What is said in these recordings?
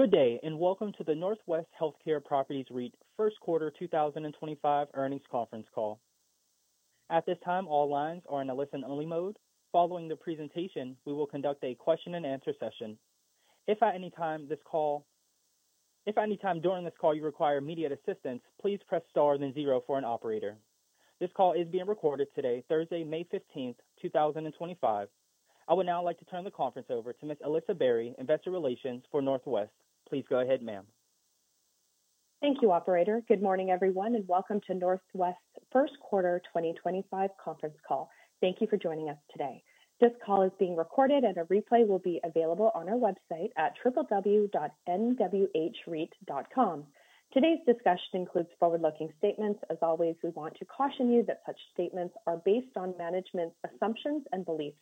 Good day, and welcome to the NorthWest Healthcare Properties REIT First Quarter 2025 earnings conference call. At this time, all lines are in a listen-only mode. Following the presentation, we will conduct a question-and-answer session. If at any time during this call you require immediate assistance, please press star then zero for an operator. This call is being recorded today, Thursday, May 15th, 2025. I would now like to turn the conference over to Ms. Alyssa Barry, Investor Relations for NorthWest. Please go ahead, ma'am. Thank you, Operator. Good morning, everyone, and welcome to NorthWest First Quarter 2025 conference call. Thank you for joining us today. This call is being recorded, and a replay will be available on our website at www.nwhreit.com. Today's discussion includes forward-looking statements. As always, we want to caution you that such statements are based on management's assumptions and beliefs.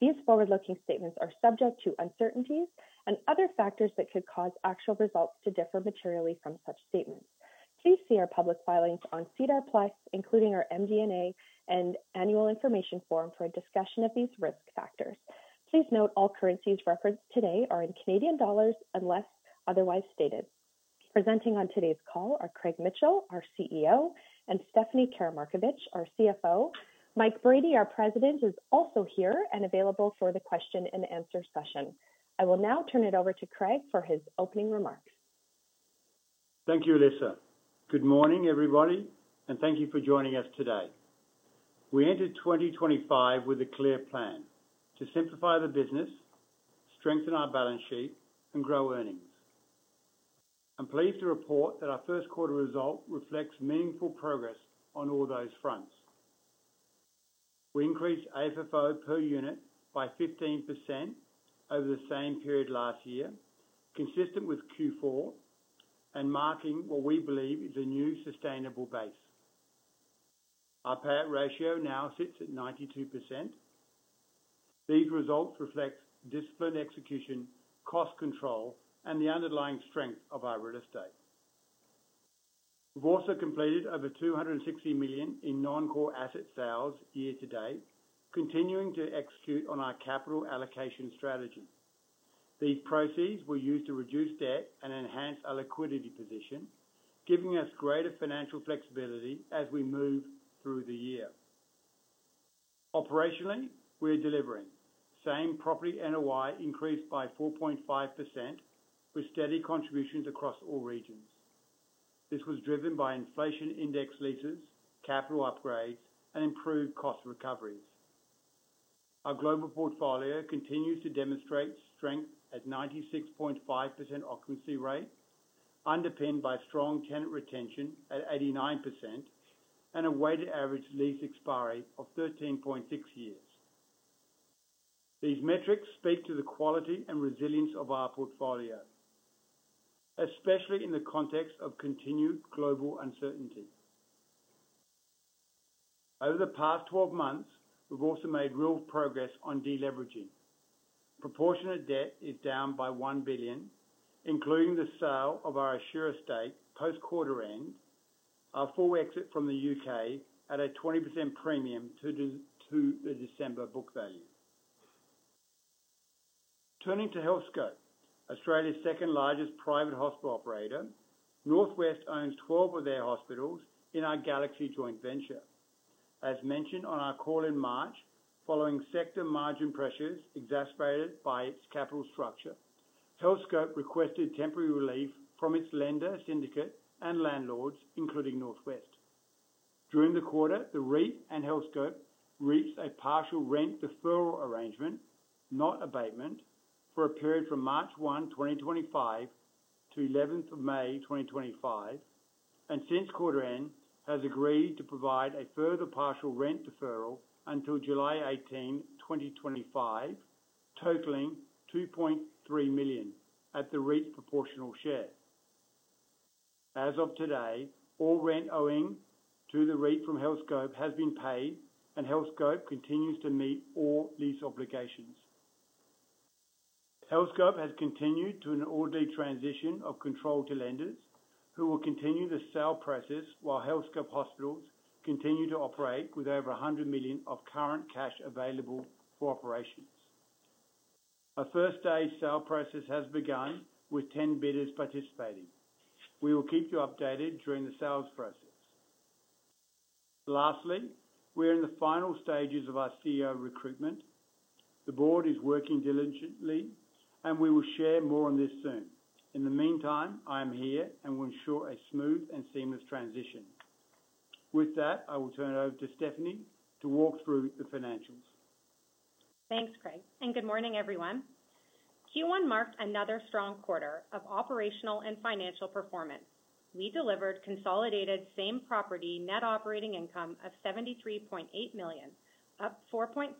These forward-looking statements are subject to uncertainties and other factors that could cause actual results to differ materially from such statements. Please see our public filings on SEDAR+, including our MD&A and annual information form for a discussion of these risk factors. Please note all currencies referenced today are in CAD unless otherwise stated. Presenting on today's call are Craig Mitchell, our CEO, and Stephanie Karamarkovic, our CFO. Mike Brady, our President, is also here and available for the question-and-answer session. I will now turn it over to Craig for his opening remarks. Thank you, Alyssa. Good morning, everybody, and thank you for joining us today. We entered 2025 with a clear plan to simplify the business, strengthen our balance sheet, and grow earnings. I'm pleased to report that our first quarter result reflects meaningful progress on all those fronts. We increased AFFO per unit by 15% over the same period last year, consistent with Q4 and marking what we believe is a new sustainable base. Our payout ratio now sits at 92%. These results reflect discipline execution, cost control, and the underlying strength of our real estate. We've also completed over 260 million in non-core asset sales year to date, continuing to execute on our capital allocation strategy. These proceeds were used to reduce debt and enhance our liquidity position, giving us greater financial flexibility as we move through the year. Operationally, we're delivering. Same property NOI increased by 4.5% with steady contributions across all regions. This was driven by inflation-indexed leases, capital upgrades, and improved cost recoveries. Our global portfolio continues to demonstrate strength at a 96.5% occupancy rate, underpinned by strong tenant retention at 89% and a weighted average lease expiry of 13.6 years. These metrics speak to the quality and resilience of our portfolio, especially in the context of continued global uncertainty. Over the past 12 months, we've also made real progress on deleveraging. Proportionate debt is down by 1 billion, including the sale of our Assura estate post-quarter end, our full exit from the U.K. at a 20% premium to the December book value. Turning to Healthscope, Australia's second-largest private hospital operator, NorthWest owns 12 of their hospitals in our Galaxy joint venture. As mentioned on our call in March, following sector margin pressures exacerbated by its capital structure, Healthscope requested temporary relief from its lender syndicate and landlords, including NorthWest. During the quarter, the REIT and Healthscope reached a partial rent deferral arrangement, not abatement, for a period from March 1, 2025 to May 11, 2025, and since quarter end has agreed to provide a further partial rent deferral until July 18, 2025, totaling 2.3 million at the REIT's proportional share. As of today, all rent owing to the REIT from Healthscope has been paid, and Healthscope continues to meet all lease obligations. Healthscope has continued to an orderly transition of control to lenders, who will continue the sale process while Healthscope Hospitals continue to operate with over 100 million of current cash available for operations. A first-stage sale process has begun with 10 bidders participating. We will keep you updated during the sales process. Lastly, we're in the final stages of our CEO recruitment. The board is working diligently, and we will share more on this soon. In the meantime, I am here and will ensure a smooth and seamless transition. With that, I will turn it over to Stephanie to walk through the financials. Thanks, Craig, and good morning, everyone. Q1 marked another strong quarter of operational and financial performance. We delivered consolidated same property net operating income of 73.8 million, up 4.5%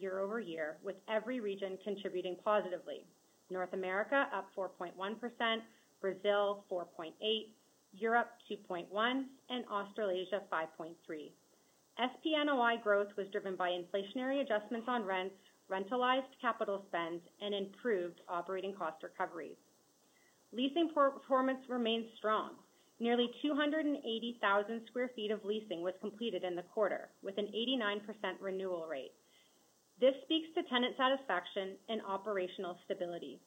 year over year, with every region contributing positively: North America up 4.1%, Brazil 4.8%, Europe 2.1%, and Australasia 5.3%. SPNOI growth was driven by inflationary adjustments on rent, rentalized capital spend, and improved operating cost recoveries. Leasing performance remained strong. Nearly 280,000 sq ft of leasing was completed in the quarter, with an 89% renewal rate. This speaks to tenant satisfaction and operational stability.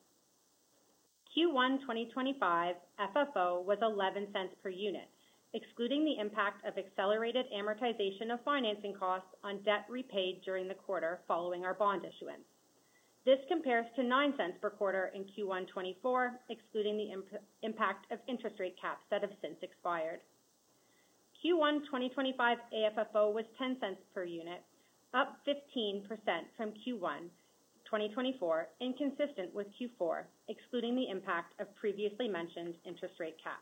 Q1 2025 FFO was 0.11 per unit, excluding the impact of accelerated amortization of financing costs on debt repaid during the quarter following our bond issuance. This compares to 0.09 per unit in Q1 2024, excluding the impact of interest rate caps that have since expired. Q1 2025 AFFO was $0.10 per unit, up 15% from Q1 2024, and consistent with Q4, excluding the impact of previously mentioned interest rate caps.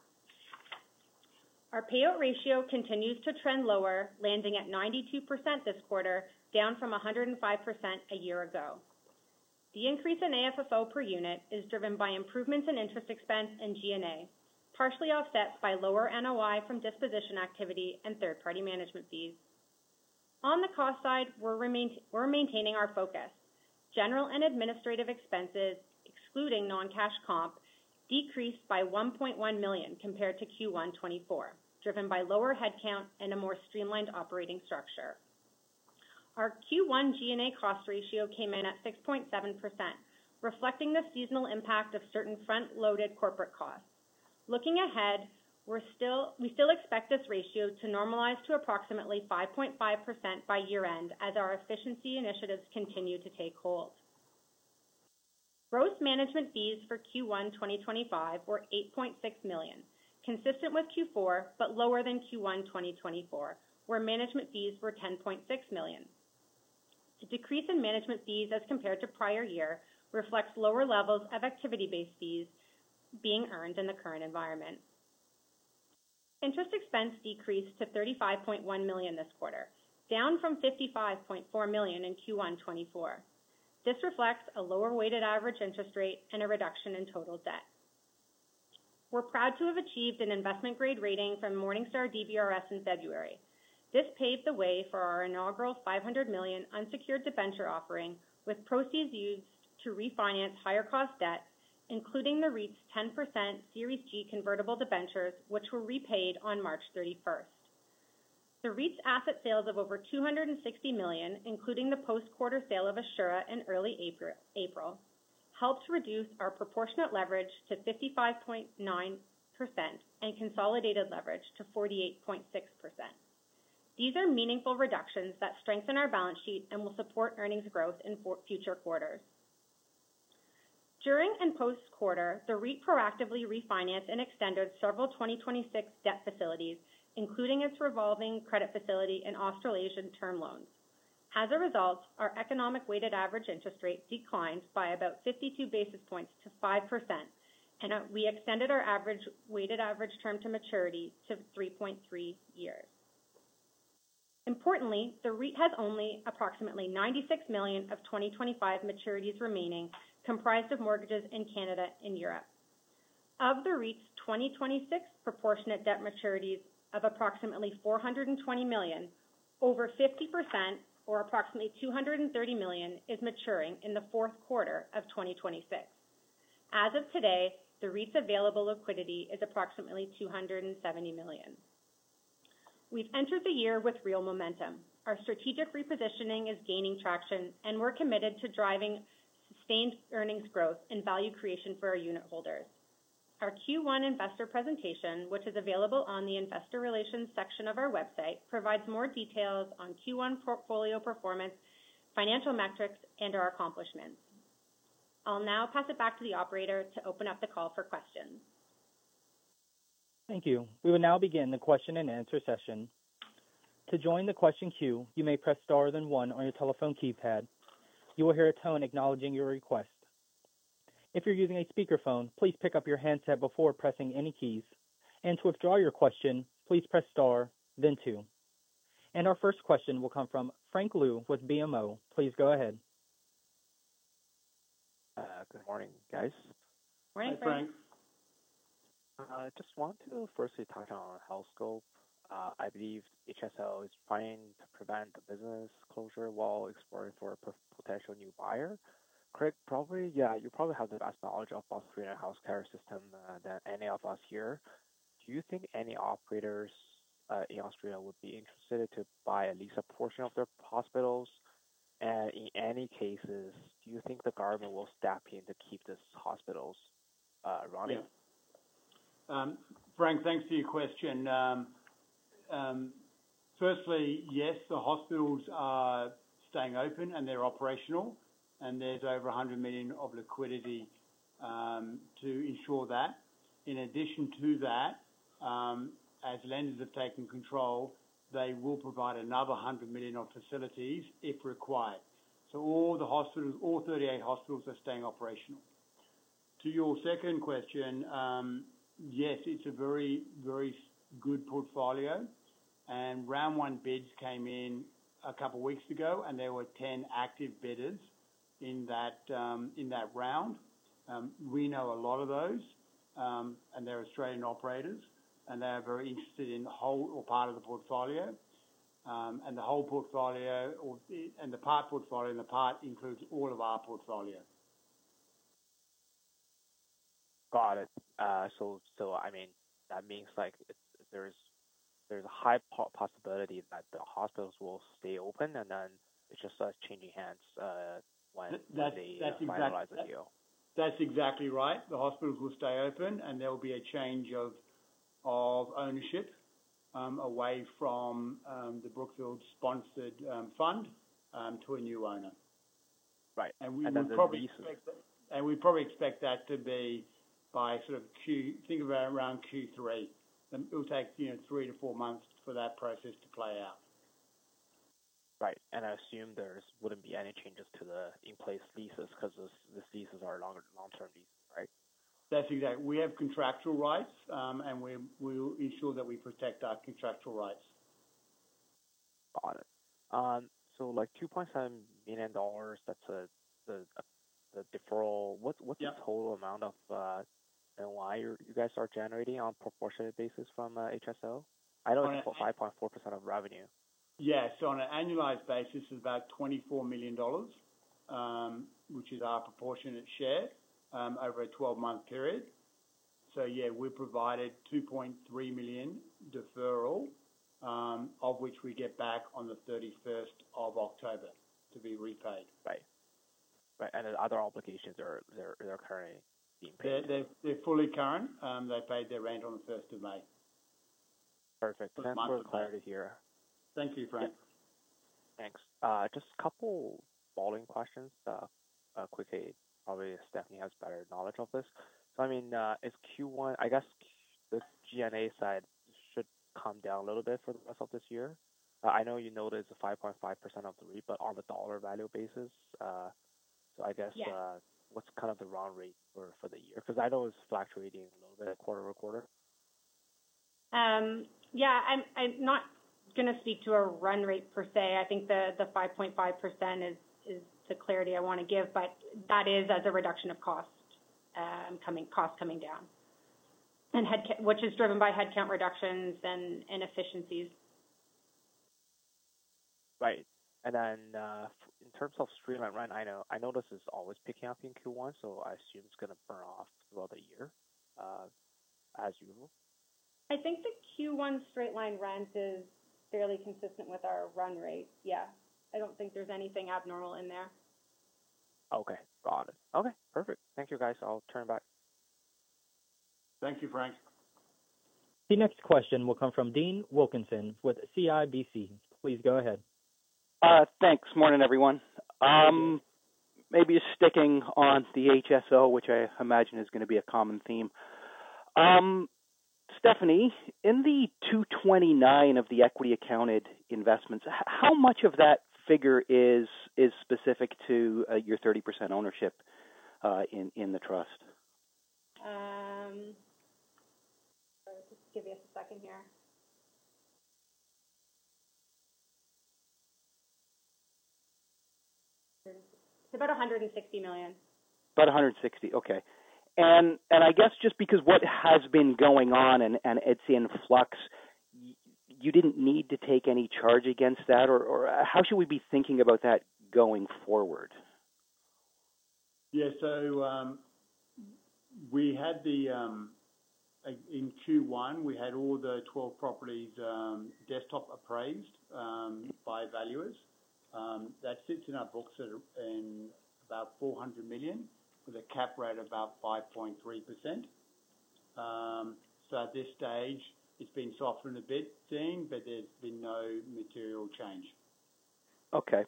Our payout ratio continues to trend lower, landing at 92% this quarter, down from 105% a year ago. The increase in AFFO per unit is driven by improvements in interest expense and G&A, partially offset by lower NOI from disposition activity and third-party management fees. On the cost side, we're maintaining our focus. General and administrative expenses, excluding non-cash comp, decreased by $1.1 million compared to Q1 2024, driven by lower headcount and a more streamlined operating structure. Our Q1 G&A cost ratio came in at 6.7%, reflecting the seasonal impact of certain front-loaded corporate costs. Looking ahead, we still expect this ratio to normalize to approximately 5.5% by year-end as our efficiency initiatives continue to take hold. Gross management fees for Q1 2025 were 8.6 million, consistent with Q4 but lower than Q1 2024, where management fees were 10.6 million. The decrease in management fees as compared to prior year reflects lower levels of activity-based fees being earned in the current environment. Interest expense decreased to 35.1 million this quarter, down from 55.4 million in Q1 2024. This reflects a lower weighted average interest rate and a reduction in total debt. We're proud to have achieved an investment-grade rating from Morningstar DBRS in February. This paved the way for our inaugural 500 million unsecured debenture offering, with proceeds used to refinance higher-cost debt, including the REIT's 10% Series G convertible debentures, which were repaid on March 31. The REIT's asset sales of over 260 million, including the post-quarter sale of Assura in early April, helped reduce our proportionate leverage to 55.9% and consolidated leverage to 48.6%. These are meaningful reductions that strengthen our balance sheet and will support earnings growth in future quarters. During and post-quarter, the REIT proactively refinanced and extended several 2026 debt facilities, including its revolving credit facility and Australasian term loans. As a result, our economic weighted average interest rate declined by about 52 basis points to 5%, and we extended our average weighted average term to maturity to 3.3 years. Importantly, the REIT has only approximately 96 million of 2025 maturities remaining, comprised of mortgages in Canada and Europe. Of the REIT's 2026 proportionate debt maturities of approximately 420 million, over 50%, or approximately 230 million, is maturing in the fourth quarter of 2026. As of today, the REIT's available liquidity is approximately 270 million. We've entered the year with real momentum. Our strategic repositioning is gaining traction, and we're committed to driving sustained earnings growth and value creation for our unit holders. Our Q1 investor presentation, which is available on the Investor Relations section of our website, provides more details on Q1 portfolio performance, financial metrics, and our accomplishments. I'll now pass it back to the Operator to open up the call for questions. Thank you. We will now begin the question-and-answer session. To join the question queue, you may press star then one on your telephone keypad. You will hear a tone acknowledging your request. If you're using a speakerphone, please pick up your handset before pressing any keys. To withdraw your question, please press star, then two. Our first question will come from Frank Liu with BMO. Please go ahead. Good morning, guys. Hey, Frank. Hey, Frank. I just want to firstly touch on Healthscope. I believe HSL is trying to prevent the business closure while exploring for a potential new buyer. Craig, probably, yeah, you probably have the best knowledge of the Australian healthcare system than any of us here. Do you think any operators in Australia would be interested to buy at least a portion of their hospitals?. In any cases, do you think the government will step in to keep these hospitals running?. Yeah. Frank, thanks for your question. Firstly, yes, the hospitals are staying open and they're operational, and there's over 100 million of liquidity to ensure that. In addition to that, as lenders have taken control, they will provide another 100 million of facilities if required. All the hospitals, all 38 hospitals are staying operational. To your second question, yes, it's a very, very good portfolio. Round one bids came in a couple of weeks ago, and there were 10 active bidders in that round. We know a lot of those, and they're Australian operators, and they are very interested in the whole or part of the portfolio. The whole portfolio and the part portfolio and the part includes all of our portfolio. Got it. I mean, that means there's a high possibility that the hospitals will stay open, and then it just starts changing hands when they finalize the deal. That's exactly right. The hospitals will stay open, and there will be a change of ownership away from the Brookfield-sponsored fund to a new owner. Right. And then probably. We probably expect that to be by sort of think of it around Q3. It'll take three to four months for that process to play out. Right. I assume there would not be any changes to the in-place leases because these leases are long-term leases, right?. That's exactly. We have contractual rights, and we'll ensure that we protect our contractual rights. Got it. So $2.7 million, that's the deferral. What's the total amount of NOI you guys are generating on a proportionate basis from HSL?. I know it's 5.4% of revenue. Yeah. On an annualized basis, it's about 24 million dollars, which is our proportionate share over a 12-month period. Yeah, we provided a 2.3 million deferral, which we get back on the 31st of October to be repaid. Right. Right. And then other obligations are currently being paid?. They're fully current. They paid their rent on the 1st of May. Perfect. Thanks for the clarity here. Thank you, Frank. Thanks. Just a couple of following questions quickly. Probably Stephanie has better knowledge of this. I mean, is Q1, I guess the G&A side should come down a little bit for the rest of this year. I know you noticed the 5.5% of the REIT, but on a dollar value basis, I guess what's kind of the run rate for the year? Because I know it's fluctuating a little bit quarter over quarter. Yeah. I'm not going to speak to a run rate per se. I think the 5.5% is the clarity I want to give, but that is as a reduction of cost coming down, which is driven by headcount reductions and inefficiencies. Right. In terms of straight-line rent, I know this is always picking up in Q1, so I assume it is going to burn off throughout the year, as usual. I think the Q1 straight-line rent is fairly consistent with our run rate. Yeah. I do not think there is anything abnormal in there. Okay. Got it. Okay. Perfect. Thank you, guys. I'll turn it back. Thank you, Frank. The next question will come from Dean Wilkinson with CIBC. Please go ahead. Thanks. Morning, everyone. Maybe sticking on the HSO, which I imagine is going to be a common theme. Stephanie, in the 229 of the equity-accounted investments, how much of that figure is specific to your 30% ownership in the trust?. Just give me a second here. It is about 160 million. About 160. Okay. I guess just because what has been going on in Etsy and Flux, you did not need to take any charge against that, or how should we be thinking about that going forward?. Yeah. We had in Q1, we had all the 12 properties desktop appraised by valuers. That sits in our books at about 400 million with a cap rate of about 5.3%. At this stage, it's been softened a bit, Dean, but there's been no material change. Okay.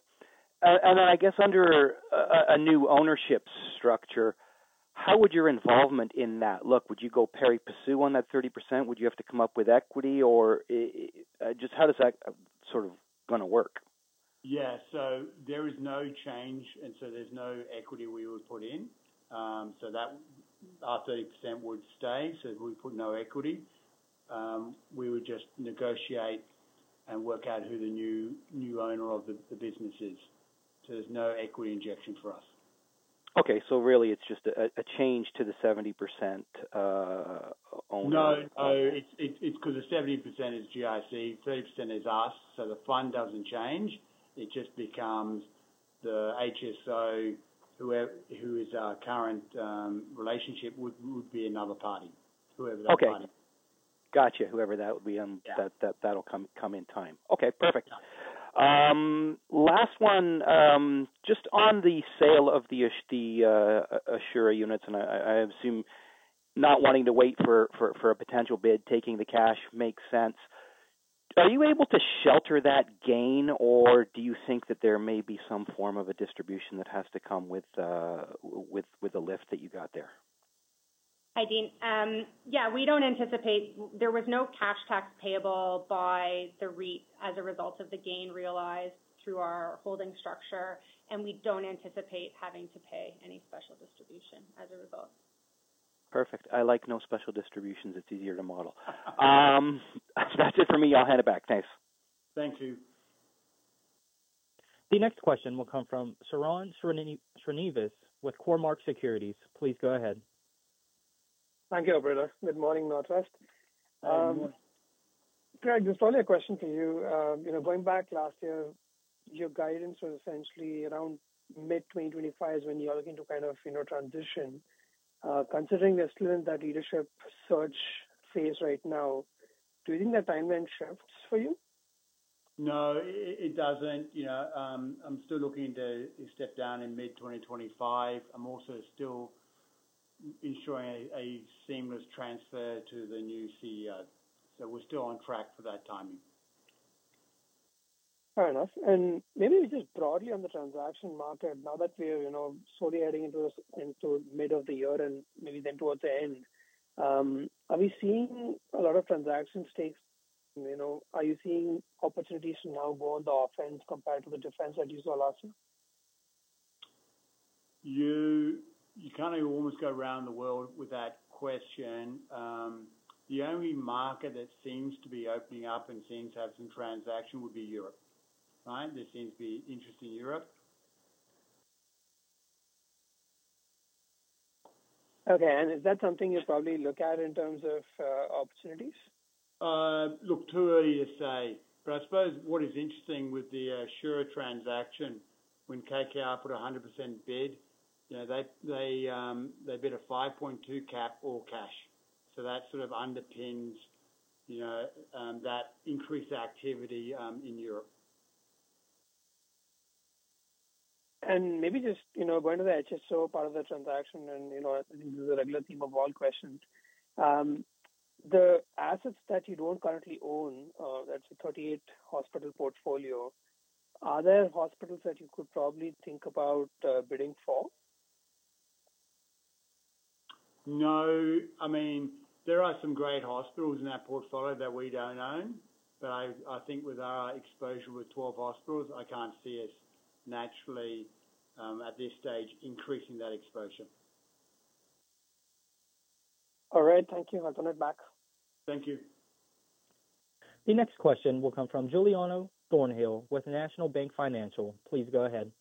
I guess under a new ownership structure, how would your involvement in that look?. Would you go pari passu on that 30%? Would you have to come up with equity, or just how is that sort of going to work?. Yeah. There is no change, and there is no equity we would put in. Our 30% would stay, so we would put no equity. We would just negotiate and work out who the new owner of the business is. There is no equity injection for us. Okay. So really, it's just a change to the 70% ownership?. No. It's because the 70% is GIC, 30% is us, so the fund doesn't change. It just becomes the HSO, who is our current relationship, would be another party, whoever that party is. Okay. Gotcha. Whoever that would be, that'll come in time. Okay. Perfect. Last one. Just on the sale of the Assura units, and I assume not wanting to wait for a potential bid, taking the cash makes sense. Are you able to shelter that gain, or do you think that there may be some form of a distribution that has to come with the lift that you got there? Hi, Dean. Yeah. We do not anticipate there was no cash tax payable by the REIT as a result of the gain realized through our holding structure, and we do not anticipate having to pay any special distribution as a result. Perfect. I like no special distributions. It's easier to model. That's it for me. I'll hand it back. Thanks. Thank you. The next question will come from Sharan Srinivas with CoreMark Securities. Please go ahead. Thank you, Operator. Good morning, NorthWest. Good morning. Craig, just only a question for you. Going back last year, your guidance was essentially around mid-2025 is when you're looking to kind of transition. Considering we're still in that leadership search phase right now, do you think that timeline shifts for you?. No, it doesn't. I'm still looking to step down in mid-2025. I'm also still ensuring a seamless transfer to the new CEO. So we're still on track for that timing. Fair enough. Maybe just broadly on the transaction market, now that we're slowly heading into the mid of the year and maybe then towards the end, are we seeing a lot of transaction stakes?. Are you seeing opportunities to now go on the offense compared to the defense that you saw last year?. You kind of almost go around the world with that question. The only market that seems to be opening up and seems to have some transaction would be Europe, right?. There seems to be interest in Europe. Okay. Is that something you'll probably look at in terms of opportunities?. Look, too early to say. I suppose what is interesting with the Assura transaction, when KKR put a 100% bid, they bid a 5.2% cap all cash. That sort of underpins that increased activity in Europe. Maybe just going to the HSO part of the transaction, and I think this is a regular theme of all questions. The assets that you do not currently own, that is a 38-hospital portfolio, are there hospitals that you could probably think about bidding for?. No. I mean, there are some great hospitals in our portfolio that we do not own, but I think with our exposure with 12 hospitals, I cannot see us naturally, at this stage, increasing that exposure. All right. Thank you. I'll turn it back. Thank you. The next question will come from Giuliano Thornhill with National Bank Financial. Please go ahead.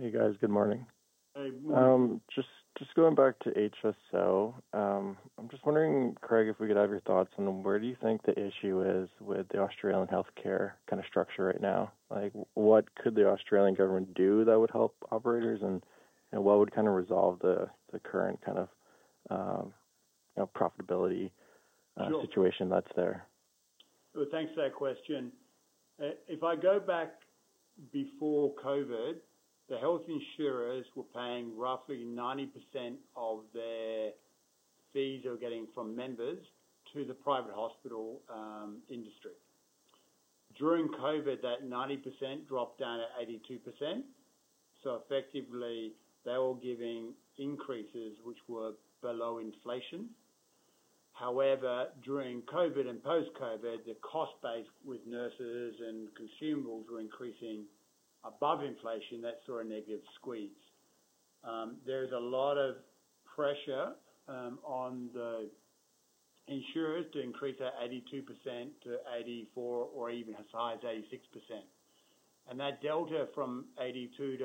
Hey, guys. Good morning. Hey. Good morning. Just going back to HSL, I'm just wondering, Craig, if we could have your thoughts on where do you think the issue is with the Australian healthcare kind of structure right now?. What could the Australian government do that would help operators, and what would kind of resolve the current kind of profitability situation that's there?. Thanks for that question. If I go back before COVID, the health insurers were paying roughly 90% of their fees they were getting from members to the private hospital industry. During COVID, that 90% dropped down to 82%. Effectively, they were giving increases which were below inflation. However, during COVID and post-COVID, the cost base with nurses and consumables were increasing above inflation. That is sort of a negative squeeze. There is a lot of pressure on the insurers to increase that 82%-84% or even as high as 86%. That delta from 82%-86%,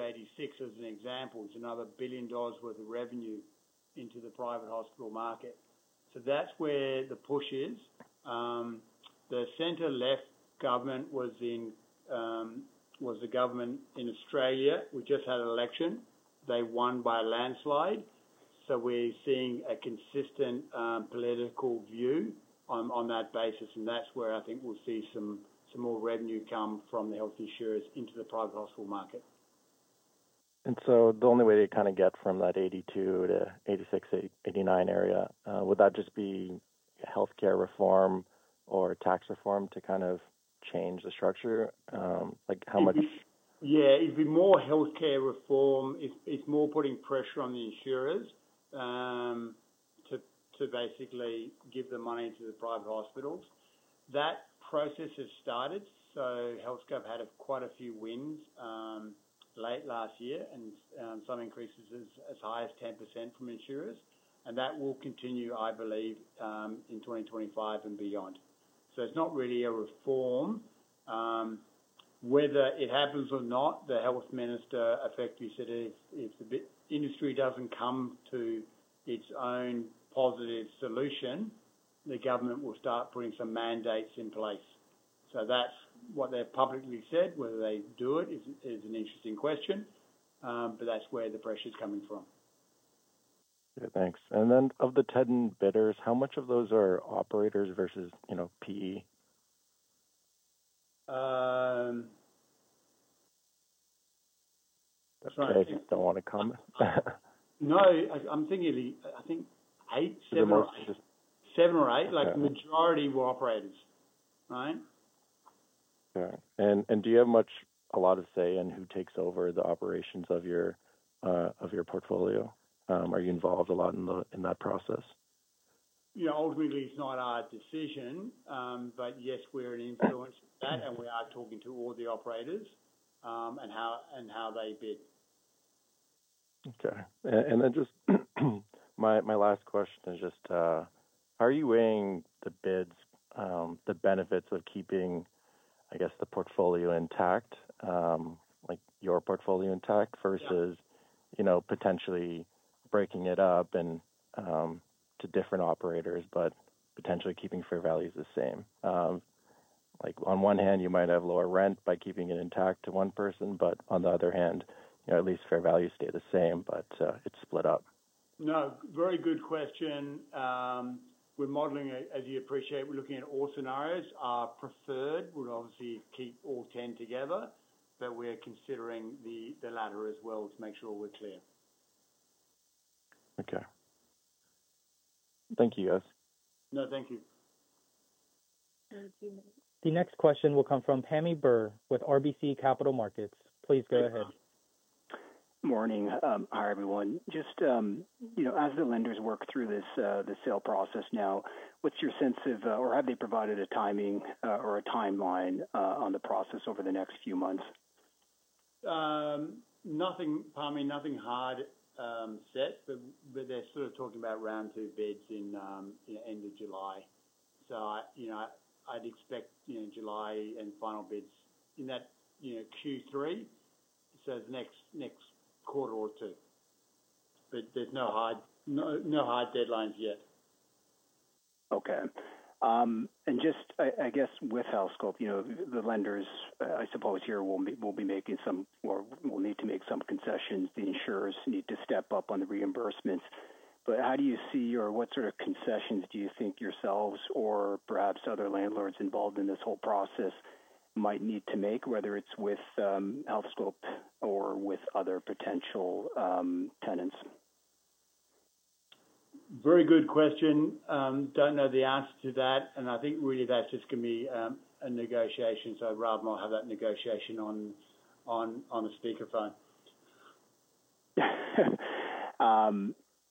as an example, is another $1 billion worth of revenue into the private hospital market. That is where the push is. The center-left government was the government in Australia. We just had an election. They won by a landslide. We're seeing a consistent political view on that basis, and that's where I think we'll see some more revenue come from the health insurers into the private hospital market. The only way to kind of get from that 82-86, 89 area, would that just be healthcare reform or tax reform to kind of change the structure?. How much?. Yeah. It'd be more healthcare reform. It's more putting pressure on the insurers to basically give the money to the private hospitals. That process has started. So Healthscope have had quite a few wins late last year and some increases as high as 10% from insurers. That will continue, I believe, in 2025 and beyond. It's not really a reform. Whether it happens or not, the health minister, effectively, said if the industry doesn't come to its own positive solution, the government will start putting some mandates in place. That's what they've publicly said. Whether they do it is an interesting question, but that's where the pressure is coming from. Yeah. Thanks. And then of the 10 bidders, how much of those are operators versus PE?. That's right. Craig just don't want to comment. No. I'm thinking I think eight, seven or. Is it more?. Seven or eight. The majority were operators, right?. Yeah. Do you have a lot of say in who takes over the operations of your portfolio?. Are you involved a lot in that process?. Yeah. Ultimately, it's not our decision, but yes, we're an influence of that, and we are talking to all the operators and how they bid. Okay. Just my last question is just, how are you weighing the bids, the benefits of keeping, I guess, the portfolio intact, your portfolio intact versus potentially breaking it up to different operators, but potentially keeping fair values the same? On one hand, you might have lower rent by keeping it intact to one person, but on the other hand, at least fair values stay the same, but it is split up. No. Very good question. We're modeling, as you appreciate, we're looking at all scenarios. Our preferred would obviously keep all 10 together, but we're considering the latter as well to make sure we're clear. Okay. Thank you, guys. No. Thank you. The next question will come from Tammy Burr with RBC Capital Markets. Please go ahead. Good morning. Hi, everyone. Just as the lenders work through the sale process now, what's your sense of or have they provided a timing or a timeline on the process over the next few months?. Nothing hard set, but they're sort of talking about round two bids in the end of July. I would expect July and final bids in that Q3, the next quarter or two. There are no hard deadlines yet. Okay. Just, I guess, with Healthscope, the lenders, I suppose here, will be making some or will need to make some concessions. The insurers need to step up on the reimbursements. How do you see or what sort of concessions do you think yourselves or perhaps other landlords involved in this whole process might need to make, whether it is with Healthscope or with other potential tenants?. Very good question. I do not know the answer to that. I think really that is just going to be a negotiation, so I would rather not have that negotiation on the speakerphone.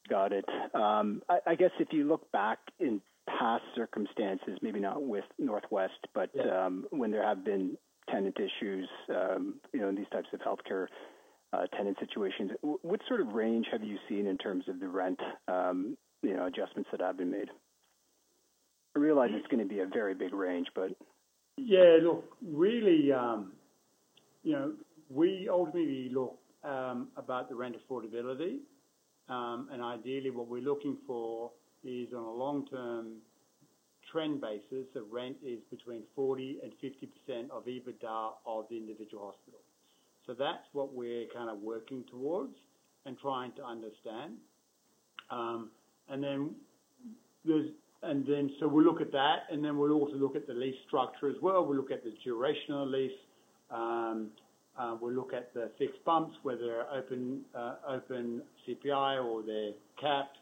Got it. I guess if you look back in past circumstances, maybe not with NorthWest, but when there have been tenant issues in these types of healthcare tenant situations, what sort of range have you seen in terms of the rent adjustments that have been made?. I realize it's going to be a very big range, but. Yeah. Look, really, we ultimately look at the rent affordability. Ideally, what we're looking for is on a long-term trend basis, the rent is between 40% and 50% of EBITDA of the individual hospital. That is what we're kind of working towards and trying to understand. We will look at that, and then we will also look at the lease structure as well. We will look at the duration of the lease. We will look at the fixed bumps, whether they are open CPI or they are capped.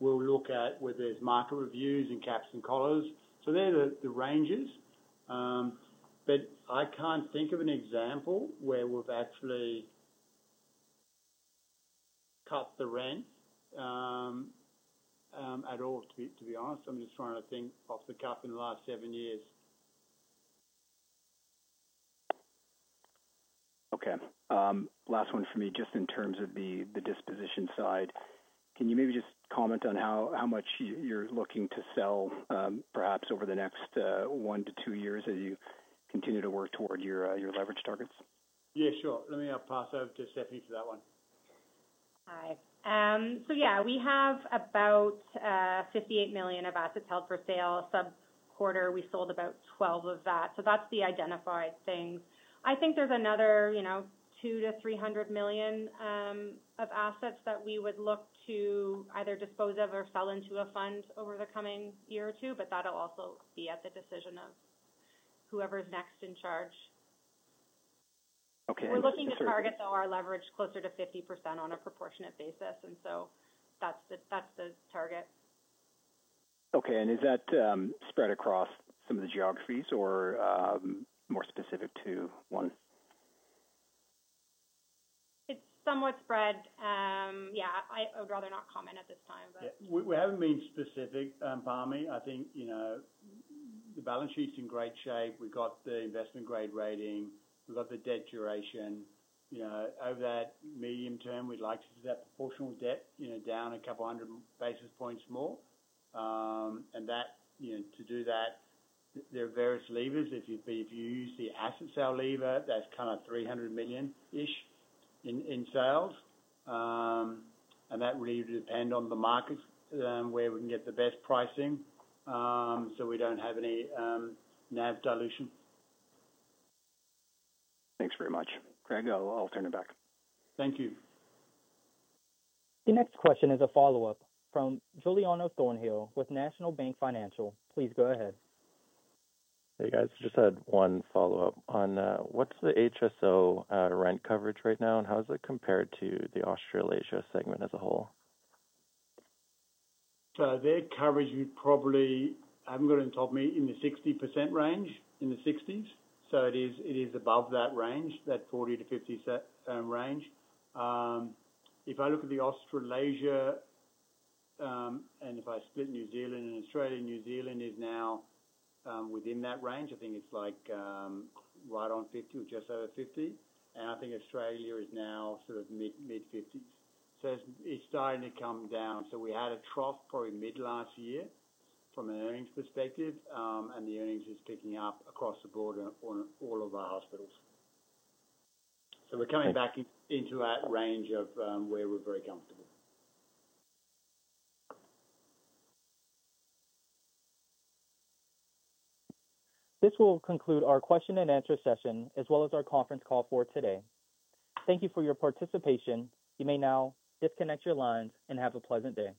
We will look at whether there are market reviews and caps and collars. Those are the ranges. I cannot think of an example where we have actually cut the rent at all, to be honest. I am just trying to think off the cuff in the last seven years. Okay. Last one for me, just in terms of the disposition side. Can you maybe just comment on how much you're looking to sell, perhaps over the next one to two years as you continue to work toward your leverage targets?. Yeah. Sure. Let me pass over to Stephanie for that one. Hi. Yeah, we have about 58 million of assets held for sale. Sub-quarter, we sold about 12 million of that. That's the identified things. I think there's another 200 million-300 million of assets that we would look to either dispose of or sell into a fund over the coming year or two, but that'll also be at the decision of whoever's next in charge. We're looking to target, though, our leverage closer to 50% on a proportionate basis, and so that's the target. Okay. Is that spread across some of the geographies or more specific to one?. It's somewhat spread. Yeah. I would rather not comment at this time, but. We haven't been specific, Palmy. I think the balance sheet's in great shape. We've got the investment-grade rating. We've got the debt duration. Over that medium term, we'd like to see that proportionate debt down a couple hundred basis points more. To do that, there are various levers. If you use the asset sale lever, that's kind of 300 million-ish in sales. That really would depend on the market where we can get the best pricing so we don't have any NAV dilution. Thanks very much. Craig, I'll turn it back. Thank you. The next question is a follow-up from Giuliano Thornhill with National Bank Financial. Please go ahead. Hey, guys. Just had one follow-up on what's the HSO rent coverage right now, and how does it compare to the Australasia segment as a whole?. Their coverage would probably have them going to top me in the 60% range, in the 60s. It is above that range, that 40%-50% range. If I look at the Australasia and if I split New Zealand and Australia, New Zealand is now within that range. I think it's right on 50% or just over 50%. I think Australia is now sort of mid-50%. It is starting to come down. We had a trough probably mid-last year from an earnings perspective, and the earnings is picking up across the board on all of our hospitals. We are coming back into that range of where we're very comfortable. This will conclude our question-and-answer session as well as our conference call for today. Thank you for your participation. You may now disconnect your lines and have a pleasant day.